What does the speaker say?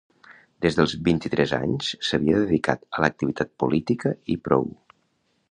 Des dels vint-i-tres anys s’havia dedicat a l’activitat política i prou.